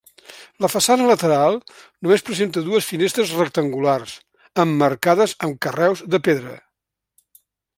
La façana lateral només presenta dues finestres rectangulars, emmarcades amb carreus de pedra.